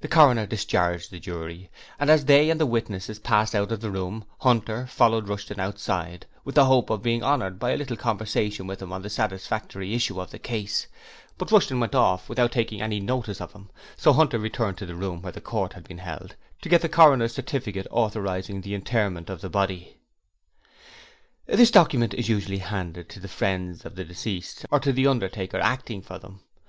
The coroner discharged the jury, and as they and the witnesses passed out of the room, Hunter followed Rushton outside, with the hope of being honoured by a little conversation with him on the satisfactory issue of the case; but Rushton went off without taking any notice of him, so Hunter returned to the room where the court had been held to get the coroner's certificate authorizing the interment of the body. This document is usually handed to the friends of the deceased or to the undertaker acting for them.